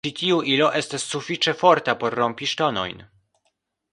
Ĉi tiu ilo estas sufiĉe forta por rompi ŝtonojn.